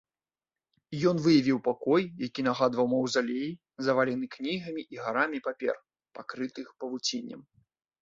Ён выявіў пакой, які нагадваў маўзалей, завалены кнігамі і гарамі папер, пакрытых павуціннем.